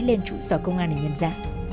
lên trụ sở công an để nhận ra